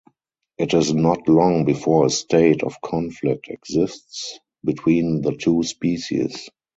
It is not long before a state of conflict exists between the two species.